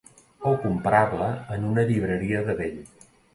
O comprar-la en una llibreria de vell.